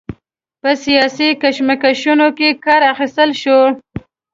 په سیاسي کشمکشونو کې کار اخیستل شوی.